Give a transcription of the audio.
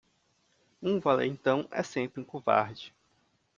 Um valentão é sempre um covarde.